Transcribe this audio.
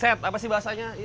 seset apa sih bahasanya